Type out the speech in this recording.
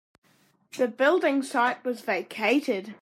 The building site was vacated.